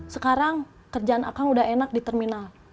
sekarang kerjaan akang udah enak di terminal